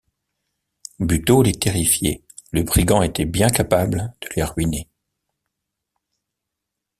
Buteau les terrifiait, le brigand était bien capable de les ruiner.